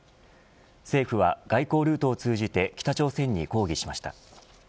政府が外交ルートを通じて北朝鮮に抗議しました。